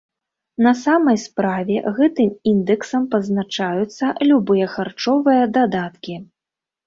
На самай справе гэтым індэксам пазначаюцца любыя харчовыя дадаткі.